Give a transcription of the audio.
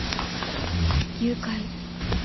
「誘拐」。